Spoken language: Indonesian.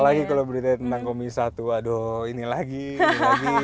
apalagi kalau berita tentang komisi satu aduh ini lagi ini lagi